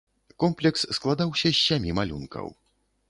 Комплекс складаўся з сямі малюнкаў.